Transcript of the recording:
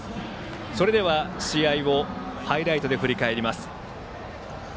それでは試合をハイライトで振り返ります。